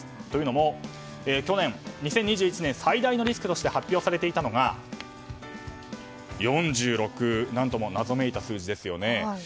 というのも去年２０２１年最大のリスクとして発表されていたのが４６、何とも謎めいた数字ですよね。